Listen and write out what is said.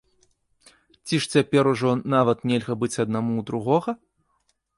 Ці ж цяпер ужо нават нельга быць аднаму ў другога?